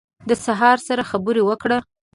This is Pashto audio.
د سهار سره خبرې وکړه